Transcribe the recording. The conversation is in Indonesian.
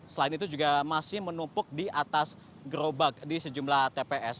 selain itu juga masih menumpuk di atas gerobak di sejumlah tps